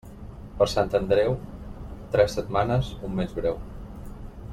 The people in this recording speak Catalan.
Per Sant Andreu, tres setmanes, un mes breu.